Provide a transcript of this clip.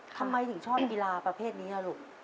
ทำไมถึงชอบกีฬาประเภทนี้ลูก